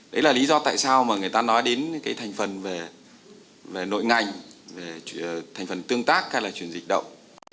đấy là lý do tại sao mà người ta nói đến cái thành phần về nội ngành về thành phần tương tác hay là chuyển dịch động